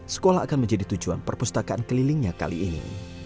sekolah akan menjadi tujuan perpustakaan kelilingnya kali ini